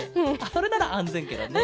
それならあんぜんケロね。